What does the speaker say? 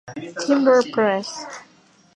Timber Press.